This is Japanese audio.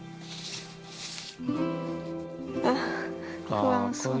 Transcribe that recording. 不安そう。